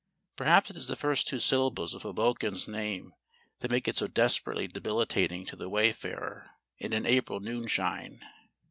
Perhaps it is the first two syllables of Hoboken's name that make it so desperately debilitating to the wayfarer in an April noonshine.